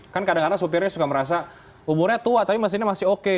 kan kadang kadang sopirnya juga merasa umurnya tua tapi mesinnya masih oke